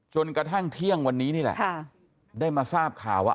จนกระทั่งเที่ยงวันนี้นี่แหละได้มาทราบข่าวว่า